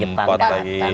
eh empat empat lagi